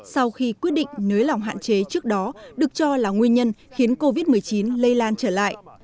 sau khi quyết định nới lỏng hạn chế trước đó được cho là nguyên nhân khiến covid một mươi chín lây lan trở lại